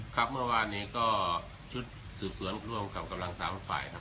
ครับเมื่อวานนี้ก็ชุดสืบสวนร่วมกับกำลัง๓ฝ่ายครับ